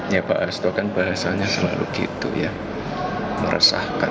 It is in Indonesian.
ya pak hasto kan bahasanya selalu gitu ya meresahkan